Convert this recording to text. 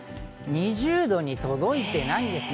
２０度に届いていないんですね。